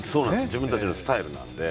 自分たちのスタイルなので。